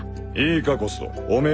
いいかコスト汚名